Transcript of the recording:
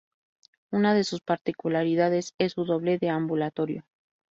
Una de sus particularidades es su doble deambulatorio.